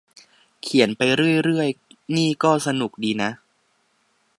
เขียนไปเรื่อยเรื่อยนี่ก็สนุกดีนะ